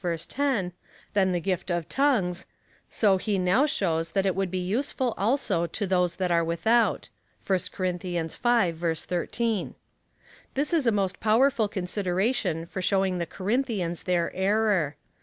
10) than the gift of tongues, so he now shows that it would be useful also to those that are without. (1 Cor. v. 13.) This is a most powerful consi deration for showing the Corinthians their error.